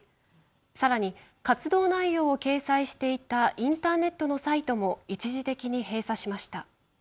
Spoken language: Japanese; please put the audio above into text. さらに、活動内容を掲載していたインターネットのサイトも一時的に閉鎖しました。